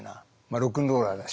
ロックンローラーだし。